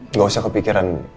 nggak usah kepikiran